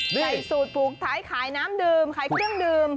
ใส่สูตรผูกท้ายขายน้ำดื่มขายเครื่องดื่ม